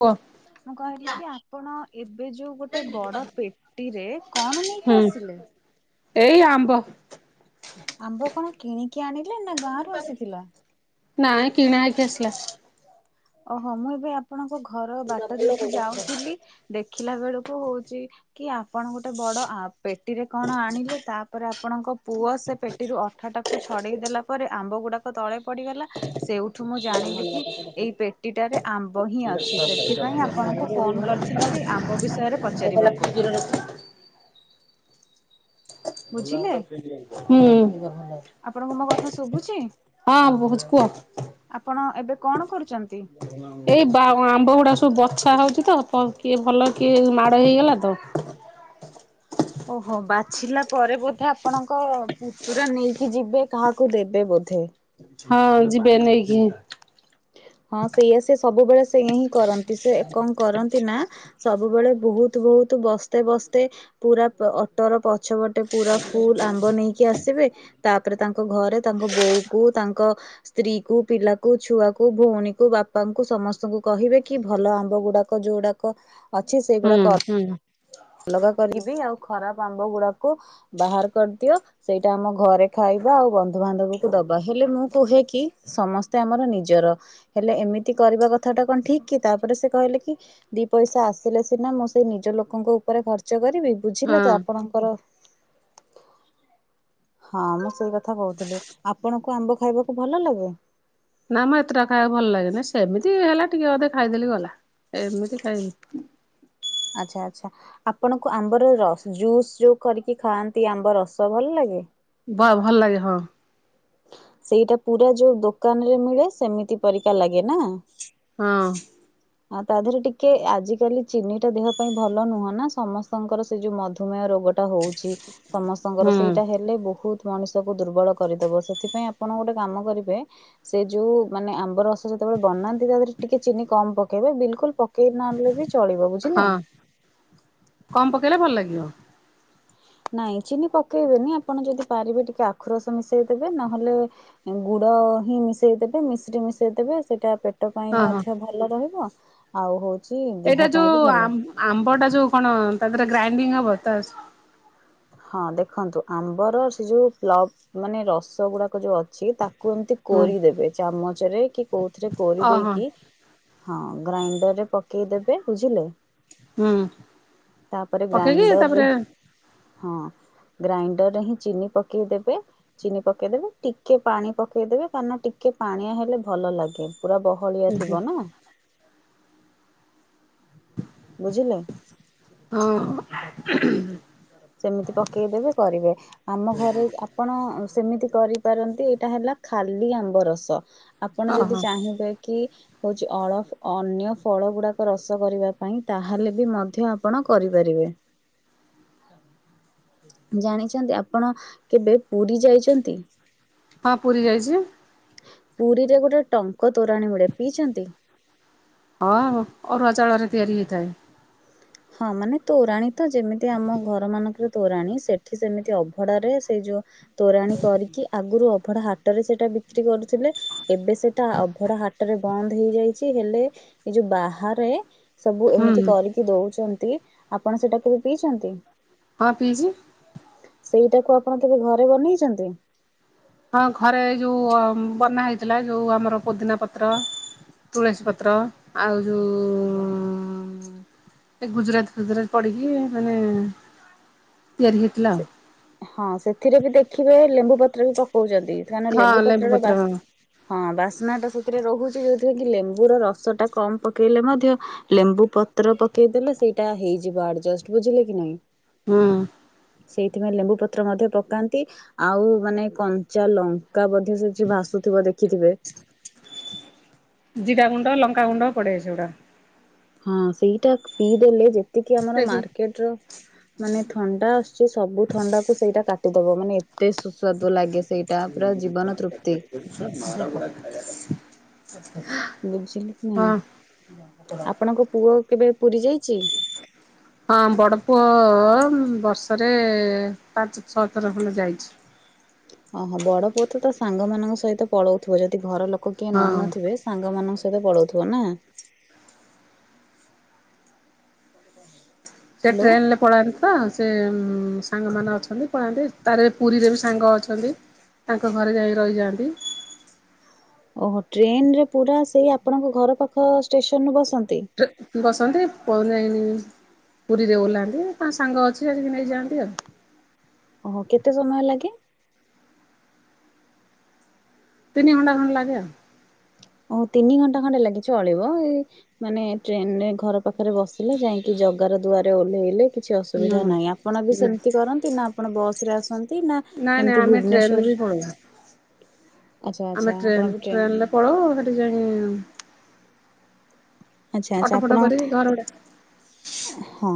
କୁହ ମୁଁ କହିଲି କି ଆପଣ ଏବେ ଯୋଉ ଗୋଟେ ବଡ଼ ପେ ପଟିରେ କଣ ହୁଁ ନେଇକି ଆସିଲେ? ଏଇ ଆମ୍ବ ଆମ୍ବ କଣ କିଣିକି ଆଣିଲେ ନା ଗାଁଆରୁ ଆସିଥିଲା? ନାଇଁ କିଣା ହେଇକି ଆସିଲା ଓହୋ ମୁଁ ଏବେ ଆପଣଙ୍କ ଘର ବାଟ ଦେଇକି ଯାଉଥିଲି ଦେଖିଲା ବେଳକୁ ହଉଛି କି ଆପଣ ଗୋଟେ ବଡ ଆପ୍ ପେଟିରେ କଣ ଆଣିଲେ ତାପରେ ଆପଣଙ୍କ ପୁଅ ସେ ପେଟିରୁ ଅଠାଟାକୁ ଛଡ଼େଇ ଦେଲା ପରେ ଆମ୍ବ ଗୁଡ଼ାକ ପେ ତଳେ ପଡିଗଲା ସେଉଠୁ ମୁଁ ଜାଣିଲି କି ଏଇ ପେଟିଟାରେ ଆମ୍ବ ହିଁ ଅଛି ସେଥିପାଇଁ ଆପଣଙ୍କୁ ଫୋନ୍ କରିଥିଲି ସେଇ ଆମ୍ବ ବିଷୟରେ ପଚାରିବାକୁ ହ ଦୂରରେ [unintelligible] ଭଲ ହୁଅନ୍ତା ବୁଝିଲେ? ଫ୍ରିଜ୍ ରେ ରଖିଦେଲେ, ହୁଁ ଏଇରା ଭଲ ଆପଣଙ୍କୁ ମୋ କଥା ଲାଗୁଛି ଶୁଭୁଛି? ହଁ ବହୁଛି କୁହ ଆପଣ ଏବେ କଣ କରୁଛନ୍ତି? ଏଇ ବା ଆମ୍ବ ଗୁଡ଼ା ସବୁ ବଛା ହଉଛି ତ କିଏ ଭଲ କିଏ ମାଡ଼ ହେଇଗଲା ତ ଓହୋ ବାଛିଲା ପରେ ବୋଧେ ଆପଣଙ୍କ ପୁତୁରା ନେଇକି ଯିବେ କାହାକୁ ଦେବେ ବୋଧେ ହଁ ଯିବେ ନେଇକି ହଁ ସେଇଆ ସେ ସବୁବେଳେ ସେଇଆ ହିଁ କରନ୍ତି, ସେ କଣ କରନ୍ତି ନା ସବୁବେଳେ ବହୁତ ବହୁତ ବସ୍ତେ ବସ୍ତେ ପୁରା ଅଟର ପଛପଟେ ପୁରା ଫୁଲ୍ ଆମ ବନେଇକି ଆସିବେ ତାପରେ ତାଙ୍କ ଘରେ ତାଙ୍କ ବୋଉକୁ ତାଙ୍କ ସ୍ତ୍ରୀକୁ ପିଲାକୁ ଛୁଆକୁ ଭଉଣୀକୁ ବାପାଙ୍କୁ ସମସ୍ତଙ୍କୁ କହିବେ କି ଭଲ ଆମ୍ବ ଗୁଡ଼ାକ ଯୋଉଡ଼ାକ ଅଛି ହୁଁ ସେଗୁଡ଼ାକ ର ହୁଁ ଅଲଗା କରିବି ଆଉ ଖରାପ ଆମ୍ବ ଗୁଡ଼ାକୁ ବାହାର କରିଦିଅ ସେଇଟା ଆମ ଘରେ ଖାଇବା ଆଉ ବନ୍ଧୁବାନ୍ଧବକୁ ଦବା ହେଲେ ମୁଁ କୁହେ କି ସମସ୍ତେ ଆମର ନିଜର ହେଲେ ଏମିତି କରିବା କଥାଟା କଣ ଠିକ୍? କି ତାପରେ ସେ କହିଲେକି ଦି ପଇସା ଆସିଲେ ସିନା ମୁଁ ସେଇ ନିଜ ଲୋକଙ୍କ ଉପରେ ଖର୍ଚ୍ଚ କରିବି କି ବୁଝିଲେ ହଁ। ତ ଆପଣଙ୍କର ହଁ ମୁଁ ସେଇ କଥା କହୁଥିଲି ଆପଣଙ୍କୁ ଆମ୍ବ ଖାଇବାକୁ ଭଲ ଲାଗେ? ନା ମ ଏତେଟା ଖାଇବାକୁ ଭଲ ଲାଗେନି ସେମିତି ହେଲେ ଟିକେ ଅଧେ ଖାଇଦେଲି ଗଲା ଏମିତି ଖାଏନି ଆଚ୍ଛା ଆଚ୍ଛା ଆପଣଙ୍କୁ ଆମ୍ବର ର ଜୁସ୍ ଯୋଉ କରିକି ଖାଆନ୍ତି ଆମ୍ବ ରସ ଭଲ ଲାଗେ? ବା ଭଲ ଲାଗେ ହଁ ସେଇଟା ପୁରା ଯୋଉ ଦୋକାନ ରେ ମିଳେ ସେମିତି ପରିକା ଲାଗେ ନା? ହଁ ଆ ତା ଦେହରେ ଟିକେ ଆଜିିକାଲି ଚିନିଟା ଦେହ ପାଇଁ ଭଲ ନୁହଁ ନା ସମସ୍ତଙ୍କର ସେ ଯୋଉ ମଧୁମେହ ରୋଗ ହଉଛି। ସମସ୍ତଙ୍କର ହୁଁ। ସେଇଟା ହେଲେ ବହୁତ ମଣିଷକୁୁ ଦୁର୍ବଳ କରିଦବ। ସେଥିପାଇଁ ଆପଣ ଗୋଟେ କାମ କରିବେ ସେ ଯୋଉ ମାନେ ଆମ୍ବ ରସ ଯେତେବେଳେ ବନାନ ନ୍ତି ତା ଦେହରେ ଟିକେ ଚିନି କମ ପକେଇବେ। ବିଲକୁଲ ପକେଇ ନହେଲେ ବି ଚଳିବ ବୁଝିଲେ? କମ ପକେଇଲେ ଭଲ ଲାଗିବ। ନାଇଁ ଚିନି ପକେଇବେନି ଆପଣ ଯଦି ପାରିବେ ଟିକେ ଆଖୁ ରସ ମିଶେଇ ଦେବେ ନହେଲେ ଗୁଡ ହିଁ ମିଶେଇଦେବେ ମିଶିରି ମିଶେଇ ଦେବେ। ସେଇଟା ପେ ପେଟ ପାଇଁ ହଁ ହଁ। ମଧ୍ୟ ଭଲ ରହିବ ଆଉ ହୋଉଛି ଦେହ ପାଇଁ ବି ଭଲ ରହିବ। ଆମ୍ବ ଟା ଯୋଉ କଣ ତା ଦେହର ଗ୍ରାଇଣ୍ଡିଙ୍ଗ ହବ ତ ହଁ ଦେଖନ୍ତୁ ଆମ୍ବର ସେ ଯୋଉ ପ୍ ମାନେ ରସ ଗୁଡାକ ଯୋଉ ଅଛି ତାକୁ କୁହନ୍ତୁ ହୁଁ କୋରି ଦେବେ। ଚାମଚରେ କି କୋଉଥିରେ କୋରି ଓହୋ ଦେଇକି ହଁ। ଗ୍ରାଇଣ୍ଡର ରେ ପକେଇଦେବେ ବୁଝିଲେ? ହୁଁ ତାପରେ ପକେଇକି ଗ୍ରାଇଣ୍ଡରରେ ତାପରେ ହଁ। ଗ୍ରାଇଣ୍ଡରରେ ହିଁ ଚିନି ପକେଇଦବେ ଚିନି ପକେଇଦେବେ ଟିକେ ପାଣି ପକେଇଦେବେ କାରନ ଟିକେ ପାଣିଆ ହେଲେ ଭଲ ଲାଗେ। ପୁରା ବହ ଭଳିଆ ହଁ ଥିବ ନା। ବୁଝିଲେ? ହଁ [unintelligible] ସେମିତି ପକେଇଦେବେ କରିବେ। ଆମ ଘରେ ଆପଣ ସେମିତି କରିପାରନ୍ତି। ଏଇଟା ହେଲା ଖାଲି ଆମ୍ବ ରସ। ଆପଣ ଯଦି ଓହୋ ଚାହିଁବେ କି ହଉଛି ଅଳ ଅନ୍ୟ ଫଳ ଗୁଡାକ ରସ କରିବା ପାଇଁ ତାହେଲେ ବି ମଧ୍ୟ ଆପଣ କରିପାରିବେ। ଜାଣିଛନ୍ତି ଆପଣ କେବେ ପୁରୀ ଯାଇଛନ୍ତି? ହଁ ପୁରୀ ଯାଇଛି। ପୁରୀରେ ଗୋଟେ ଟଙ୍କ ତୋରାଣ ମିଳେ ପିଇଛନ୍ତି? [unintelligible] ହଁ ଅରୁଆ ଚାଉଳରେ ତିଆରି ହେଇଥାଏ। ହଁ ମାନେ ତୋରାଣୀ ତ ଯେମିତି ଆମ ଘର ମାନଙ୍କରେ ତୋରାଣୀ ସେଠି ସେମିତି ଅଭଡ଼ାରେ ସେଇ ଯୋଉ ତୋରାଣି କରିକି ଆଗରୁ ଅଭଢା ହାଟରେ ସେଟା ବିକ୍ରି କରୁଥିଲେ। ଏବେ ସେଟା ଅଭଡା ହାଟରେ ବନ୍ଦ ହେଇଯାଇଛି। ହେଲେ ଏ ଯୋଉ ବାହାରେ ସବୁ ହୁଁ ଏମିତି କରିକି ଦଉଛନ୍ତି ଆପଣ ସେଟା କେବେ ପିଇଛନ୍ତି? ହଁ ପିଇଛି। ସେଇଟାକୁ ଆପଣ କେବେ ଘରେ ବନେଇଛନ୍ତି? ହଁ ଘରେ ଯୋଉ ବନା ହେଇଥିଲା ଯୋଉ ଆମର ପୋଦିନା ପତ୍ର ତୁଳସୀ ପତ୍ର ଆଉ ଯୋଉ ଉ ଏ ଗୁଜୁରାଟ ଫୁଜୁରଟ ପଡିକି ମାନେ ତିଆରି ହେଇଥିଲା ଆଉ। ହଁ ସେଥିରେ ବି ଦେଖିବେ ଲେମ୍ବୁ ପତ୍ର ବି ପକଉଛନ୍ତି। କାହିଁକିନା ଆଉ ଲେମ୍ବୁ ହଁ ପତ୍ରର ବା ପତ୍ର ହଁ ହଁ ବାସ୍ନା ଟା ସେଥିରେ ରହୁଛି ଯୋଉଥିରେ କି ଲେମ୍ବୁର ର ରସ ଟା କମ ପକେଇଲେ ମଧ୍ୟ ଲେମ୍ବୁ ପତ୍ର ପକେଇଦେଲେ ସେଇଟା ହେଇଯିବ ଆଡଜଷ୍ଟ ବୁଝିଲେ କି ନାଇଁ? ହୁଁ। ସେଇଥିପାଇଁ ଲେମ୍ବୁ ପତ୍ର ମଧ୍ୟ ପକାନ୍ତି। ଆଉ ମାନେ କଞ୍ଚା ଲଙ୍କା ମଧ୍ୟ ବୋଧେ ସେଠି ଭାସୁଥିବ ଦେଖିଥିବେ। ଜିରା ଗୁଣ୍ଡ, ଲଙ୍କା ଗୁଣ୍ଡ ପଡେଇ ସେଗୁଡା। ହଁ ସେଇଟା ପିଇଦେଲେ ଯେତିକି ଆମର ମାର୍କେଟର ମାନେ ଥଣ୍ଡା ଆସୁଛି ସବୁ ଥଣ୍ଡା କୁ ସେଇଟା କାଟିଦବ ମାନେ ଏ ଏତେ ସୁସ୍ୱାଦୁ ଲାଗେ ସେଇଟା ପୁରା ଜୀବନ ତୃପ୍ତି। ଖ [unintelligible] [unintelligible] ବୁଝିଲେ କି ନାଇଁ ଆପଣଙ୍କ ପୁଅ କେବେ ପୁରୀ ଯାଇଛି? [inaudible] ହଁ ବଡ ପୁଅ ବର୍ଷରେ ପାଞ୍ଚ ଛଅଥର ଖଣ୍ଡେ ଯାଇଛି। ଓହୋ ବଡ ପୁଅ ତ ତା ସାଙ୍ଗ ମାନଙ୍କ ସହିତ ପଳଉଥିବ ଯଦି ଘର ଲୋକ କିଏ ହଁ। ନଉନଥିବେ ସାଙ୍ଗମାନଙ୍କ ସହିତ ପଳଉଥିବ ନା। ସେ ହ୍ୟାଲୋ ଟ୍ରେନରେ ପଳାନ୍ତି ତ ସେ ସାଙ୍ଗମାନେ ଅଛନ୍ତି ପଳାନ୍ତି ତାର ପୁରୀରେ ବି ସାଙ୍ଗ ଅଛନ୍ତି। ତାଙ୍କ ଘରେ ଯାଇକି ରହିଯାଆନ୍ତି। ଓହୋ ଟ୍ରେନରେ ପୁରା ସେଇ ଆପଣଙ୍କ ଘର ପାଖ ଷ୍ଟେସନରୁୁ ବସନ୍ତି। [unintelligible] ବସନ୍ତି ପଉନଇି [unintelligible] ପୁରୀରେ ଓହ୍ଲାନ୍ତି ତାଙ୍କ ସାଙ୍ଗ ଅଛି ଆଜିକି ନେଇଯାଆନ୍ତି ଆଉ ଓହୋ କେତେ ସମୟ ଲାଗେ? ତିନି ଘଣ୍ଟା ଖଣ୍ଡେ ଲାଗେ ଆଉ ଓ ତିନିଘଣ୍ଟା ଖଣ୍ଡେ ଲାଗେ ଚଳିବ ଏଇ ମାନେ ଟ୍ରେନରେ ଘର ପାଖରେ ବସିଲେ ଯାଇକି ଜଗ ଘର ଦୁଆରେ ଓହ୍ଲେଇଲେ। କିଛି ହୁଁ ଅସୁବିଧା ନାହିଁ ଆପଣ ବି ସେମିତି କରନ୍ତି ନା ଆପଣ ବସ ରେ ଆସନ୍ତି ନା ନାଇଁ ନାଇଁ ଏମିତି ଟ୍ରେନରେ ବି ଭୁବନେସ୍ୱର ଆମେ ଆଚ୍ଛା ଟ୍ରେନ ଆପଣ ବି ଟ୍ରେନ ଟ୍ରେନରେ ପଳଉ କେଜାଣି ଆଚ୍ଛା ଆଚ୍ଛା ଅଟ ଆପଣ ଫଟ କରି ଘର ଭଡ଼ା ହଁ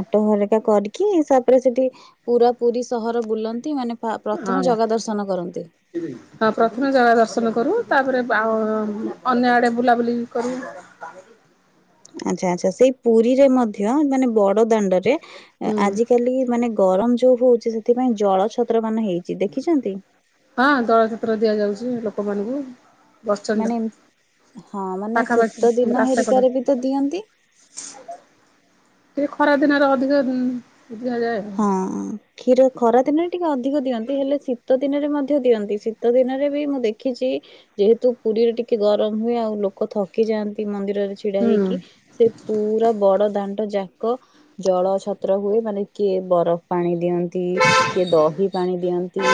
ଅଟୋ ହରକା କରିକି ତାପରେ ସେଠି ପୁରା ପୁରୀ ସହର ବୁଲନ୍ତି ମାନେ ପ୍ରଥମେ ହଁ। ଜାଗା ଦର୍ଶନ କରନ୍ତି। [unintelligible] ହଁ ପ୍ରଥମେ ଜଗା ଦର୍ଶନ କରୁ ତାପରେ ଅନ୍ୟ ଆଡେ ବୁଲାବୁଲି କରୁ। [unintelligible] ଆଛା ଆଚ୍ଛା ସେଇ ପୁରୀରେ ମଧ୍ୟ ମାନେ ବଡ ଦାଣ୍ଡରେ ହୁଁ ଆଜିକାଲି ମାନେ ଗରମ ଯୋଉ ହଉଛି ସେଥିପାଇଁ ଜଳ ଛତ୍ର ମାନ ହେଇଛି ଦେଖିଛନ୍ତି। ହଁ ଜଳଛତ୍ର ଦିଆଯାଉଛି ଲୋକମାନଙ୍କୁ। ବସଷ୍ଟାଣ୍ଡ ମାନେ ହଁ ମାନେ ପାଖାପାଖି ଶୀତ ଦିନ ହେରିକାରେ ବି ତ ଦିଅନ୍ତି। ଏ ଖରା ଦିନରେ ଅଧିକ ଦିଆଯାଏ ହୁଁ ହଁ। କ୍ଷୀର ଖରା ଦିନରେ ଟିକେ ଅଧିକ ଦିଅନ୍ତି ହେଲେ ଶୀତ ଦିନରେ ମଧ୍ୟ ଦିଅନ୍ତି ଶୀତ ଦିନରେ ବି ମୁଁ ଦେଖିଛି। ଯେହେତୁ ପୁରୀରେ ଟିକେ ଗରମ ହୁଏ ଆଉ ଲୋକ ଥକି ଯାଆନ୍ତି ମନ୍ଦିରରେ ଛିଡା ହଁ ହେଇକି ସେ ପୁରା ବଡଦାଣ୍ଡ ଯାକ ଜଳ ଛତ୍ର ହୁଏ ମାନେ କିଏ ବରଫ ପାଣି ଦିଅନ୍ତି କିଏ ଦହି ପାଣି ଦିଅନ୍ତି।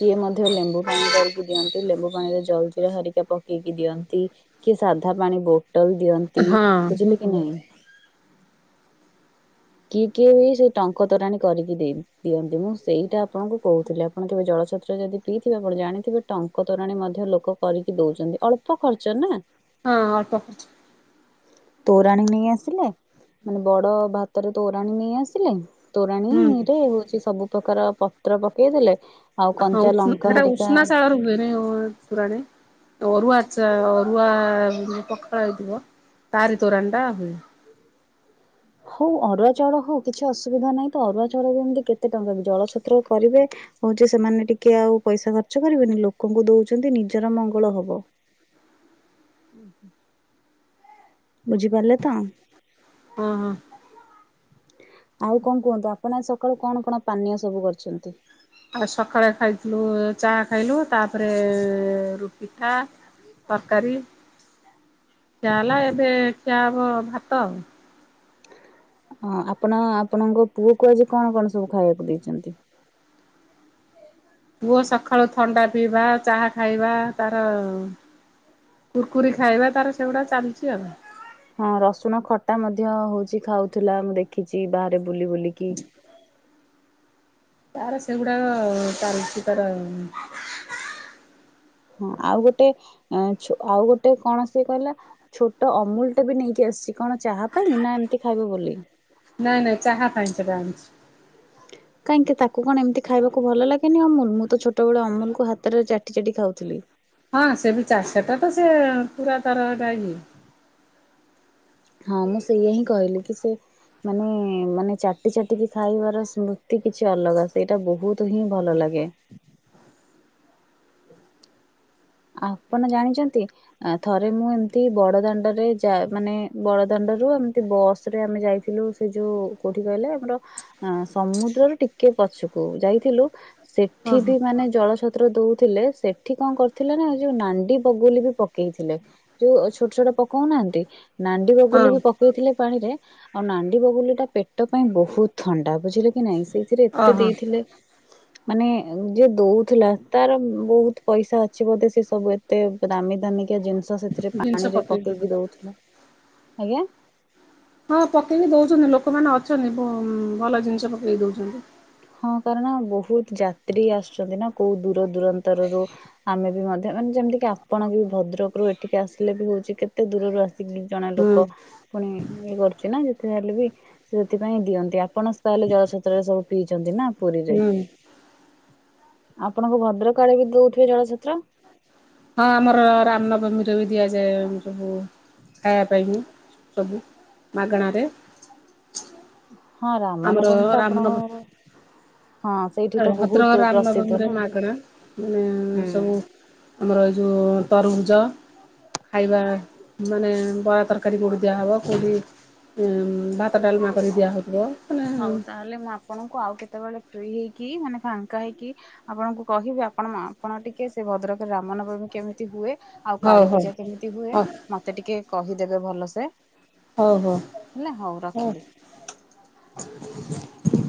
କିଏ ମଧ୍ୟ ଲେମ୍ବୁ ପାଣି କରିକି ଦିଅନ୍ତି ଲେମ୍ବୁ ପାଣିରେ ଜଳଜିରା ହରିକା ପକେଇକି ଦିଅନ୍ତି। କିଏ ସାଧାପାଣି ବୋଟଲ ଦିଅନ୍ତି ହଁ ବୁଝିଲେ କି ନାଇଁ। କିଏ କିଏ ସିଏ ସେ ଟଙ୍କ ତୋରାଣି କରିକି ଦିଅନ୍ତି ମୁଁ ସେଇଟା ଆପଣଙ୍କୁ କହୁଥିଲି ଆପଣ କେବେ ଜଳଛତ୍ର ଯଦି ପିଇଥିବେ ଆପଣ ଜାଣିଥିବେ ଟଙ୍କ ତୋରାଣି ମଧ୍ୟ ଲୋକ କରିକି ଦଉଛନ୍ତି ଅଳ୍ପ ଖର୍ଚ୍ଚ ନା। ହଁ ଅଳ୍ପ ଖର୍ଚ୍ଚ। ତୋରାଣୀ ନେଇ ଆସିଲେ ମାନେ ବଡ ଭା ତରେ ତୋରାଣୀ ନେଇ ଆସିଲେ ତୋରାଣୀ ହୁଁ ରେ ହଉଛି ସବୁ ପ୍ରକାର ପତ୍ର ପକେଇ ଦେଲେ ଆଉ ହଁ କଞ୍ଚା ଉ ଲଙ୍କା ସେଇଟା ହାରିକା ଉଷ୍ଣ ଶାଳ ରେ ହୁଏ ନା ତୁରାଣି ଅରୁଆ ଚା ଅରୁଆ ପଖାଳ ହେଇଥିବ ତାରି ତୋରାଣ ଟା ହୁଏ। ହଉ ଅରୁଆ ଚାଉଳ ହଉ କିଛି ଅସୁବିଧା ନାହିଁ ତ ଅରୁଆ ଚାଉଳ ଏମତି କେତେ ଟଙ୍କା କି ଜଳଛତ୍ର କରିବେ ହଉ ଯେ ସେମାନେ ଟିକେ ଆଉ ପଇସା ଖର୍ଚ୍ଚ କରିବେନି ଲୋକଙ୍କୁ ଦଉଛନ୍ତି ନିଜର ମଙ୍ଗଳ ହବ। ଉଁ ହୁଁ। ବୁଝିପାରିଲେ ତ? ହଁ ହଁ। ଆଉ କଣ କୁହନ୍ତୁ ଆପଣ ସକାଳୁ କଣ କଣ ପାନୀୟ ସବୁ କରିଛନ୍ତି? ଆଉ ସକାଳେ ଖାଇଥିଲୁ ଚା ଖାଇଲୁ ତାପରେ ରୁ ପିଠା। ତରକାରୀ ଖିଆ ହେଲା ଏବେ ଖିଆ ହବ ଭାତ ଆଉ। ହଁ ଆପଣ ଆପଣଙ୍କ ପୁଅ କୁ ଆଜି କଣ କଣ ସବୁ ଖାଇବାକୁ ଦେଇଚନ୍ତି? ପୁଅ ସକାଳୁ ଥଣ୍ଡା ପିଇବା ଚାହା ଖାଇବା ତାର କୁରକୁରି ଖାଇବା ତାର ସେଗୁଡା ଚାଲିଛି ଆଉ। ହଁ ରସୁଣ ଖଟା ମଧ୍ୟ ହଉଛି ଖାଉଥିଲା ମୁଁ ଦେଖିଛି ବାହାରେ ବୁଲି ବୁଲିକି। ତାର ସେଗୁଡାକ ଚାଲିଛି ତାର ହଁ ଆଉ ଗୋଟେ ଛୋ ଆଉ ଗୋଟେ କଣ ସିଏ କହିଲା ଛୋଟ ଅମୁଲ ଟେ ବି ନେଇକି ଆସିଛି କଣ ଚାହା ପାଇଁ ନା ଏମିତି ଖାଇବ ବୋଲି? ନାଇଁ ନାଇଁ ଚାହା ପାଇଁ ସେଟା ଆଣିଛି। କାହିଁକି ତାକୁ କଣ ଏମିତି ଖାଇବାକୁ ଭଲ ଲାଗେନି ଅମୁଲ, ମୁଁ ତ ଛୋଟ ବେଳେ ଅମୁଲ କୁ ହାତରେ ଚା ଚାଟି ଚାଟି ଖାଉଥିଲି। ହଁ ସେ ବି ଚା ସେଟା ତ ସେ ପୁରା ତାର ହେଟା ଇଏ। ହଁ ମୁଁ ସେଇଆ ହିଁ କହିଲି କି ସେ ମାନେ ମାନେ ଚାଟି ଚାଟି କି ଖାଇବାର ସ୍ମୃ ଏ କିଛି ଅଲଗା ସେଇଟା ବହୁତ ହିଁ ଭଲ ଲାଗେ। ଆପଣ ଜାଣିଛନ୍ତି ଥରେ ମୁଁ ଏମିତି ବଡ ଦାଣ୍ଡରେ ଯା ମାନେ ବଡ଼ଦାଣ୍ଡରୁ ଏମିତି ବସ ରେ ଆମେ ଯାଇଥିଲୁ ସେ ଯୋଉ କୋଉଠି କହିଲେ ଆମର ଅ ସମୁଦ୍ର ରୁ ଟିକେ ପଛକୁ ଯାଇଥିଲୁ ହଁ ସେଠି ବି ହଁ ମାନେ ଜଳଛ ତ୍ର ଦଉଥିଲେ ସେଠି କଣ କର ଥିଲା ନା ଯୋଉ ନାଣ୍ଡି ବଗୁଲି ବି ପକେଇଥିଲେ ଯୋଉ ଛୋଟ ଛୋଟ ପକଉନାହାନ୍ତି ନା ଗୁ ବଗୁଲି ହଁ ବି ପକେଇଥିଲେ ପାଣିରେ। ଆଉ ନାଣ୍ଡି ବଗୁଲି ଟା ପେଟ ପାଇଁ ବହୁତ ଥଣ୍ଡା ବୁଝିଲେ କି ନାଇଁ ସେଇଥିରେ ଏତେ ଓହୋ ଦେଇଥିଲେ ମାନେ ଯିଏ ଦଉଥିଲା ତାର ବହୁତ ପଇସା ଅ ଛି ବୋଧେ ସେ ସବୁ ଏତେ ଦାମି ଦାମିକା ଜିନିଷ ସେଥିରେ ଜିନିଷ ପାଣିରେ ପକେଇ ପକେଇକି ଦଉଥିଲା। ଆଜ୍ଞା। ହଁ ପକେଇକି ଦଉଛନ୍ତି ଲୋକମାନେ ଅଛନ୍ତି ଭ ଭଲ ଜିନିଷ ପକେଇକି ଦଉଛନ୍ତି। ହଁ କାରଣ ବହୁତ ଯାତ୍ରୀ ଆସୁଛନ୍ତି ନା କୋଉ ଦୂର ଦୂରାନ୍ତରରୁୁ। ଆମେ ବି ମଧ୍ୟ ମାନେ ଯେମିତିକି ଆପଣ ବି ଭଦ୍ରକରୁ ଏଠିକି ଆସିଲେ ବି ହଉଛି କେତେ ଦୂରରୁ ଆସିକି ଜଣା ହୁଁ ଲୋକ ପୁଣି ଇଏ କରୁଛି ନା ଯେତେଯାହେଲେ ବି ସେଥିପାଇଁ ଦିଅନ୍ତି ଆପଣ ତାହେଲେ ଜଳ ଛତ୍ରରେ ସବୁ ଚନ୍ତି ନା ପୁରୀରେ ହୁଁ ଆପଣଙ୍କ ଭଦ୍ରକ ଆଡ଼େ ବି ଦଉଥିବେ ଜଳଛତ୍ର? ହଁ ଆମର ରାମନବମୀ ରେ ବି ଦିଆଯାଏ ସବୁ। ଖାଇବା ପାଇବୁ ସବୁ ମାଗେଣାରେ। ହଁ ରାମ ଆମର ନବମୀ ତ ରାମନବ ଆପଣଙ୍କ ଘରେ ଭଦ୍ରକ ପ୍ରସିଦ୍ଧ ରାମନବମୀରେ ନା। ମାଗଣା [unintelligible] ସବୁ। ଆମର ଏଇ ଯୋଉ ତରୁଭୁଜ ଖାଇବା ମାନେ ବରା ତରକାରୀ ପୋଡୁ ଦିଆହବ କୋଉଠି ଭାତ ଡାଲମା କରି ଦିଆହବ ମାନେ ହଉ ତାହେଲେ ମୁଁ ଆପଣଙ୍କୁ ଆଉ କେତେବେଳେ ଫ୍ରି ହେଇକି ମାନେ ଫାଙ୍କା ହେଇକି ଆପଣଙ୍କୁ କହିବେ ଆପଣ ମା ଆପଣ ଟିକେ ସେ ଭଦ୍ରକରେ ରାମ ନବମୀ କେମିତି ହୁଏ ଆଉ ହଉ କାଳୀ ହଉ ପୂଜା କେମିତି ହୁଏ ହଉ ମତେ ଟିକେ କହିଦେବେ ଭଲସେ ହଉ ହେଲା ହୋଉ ହଉ। ରଖିଲି।